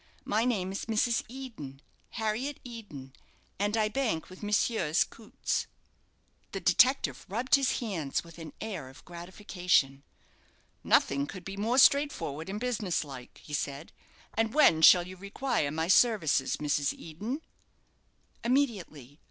My name is Mrs. Eden Harriet Eden, and I bank with Messrs. Coutts." The detective rubbed his hands with a air of gratification. "Nothing could be more straightforward and business like," he said. "And when shall you require my services, Mrs. Eden?" "Immediately.